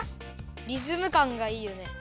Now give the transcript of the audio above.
リズムかんがいいよね。